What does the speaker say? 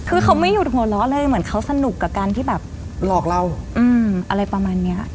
คือเขาไม่หยุดหัวเราะเลยเหมือนเขาสนุกกับการที่แบบหลอกเราอะไรประมาณเนี้ย